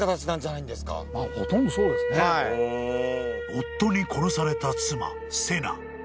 ［夫に殺された妻瀬名］